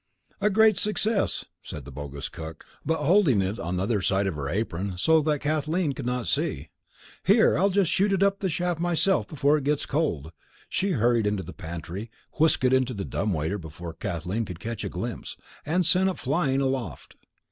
"A great success," said the bogus cook, but holding it on the other side of her apron so that Kathleen could not see. "Here, I'll just shoot it up the shaft myself before it gets cold." She hurried into the pantry, whisked it into the dumb waiter before Kathleen could catch a glimpse, and sent it flying aloft.